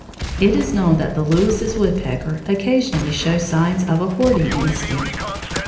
] It is known that the Lewis's woodpecker occasionally shows signs of a hoarding instinct.